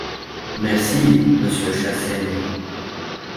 Merci, monsieur Chassaigne.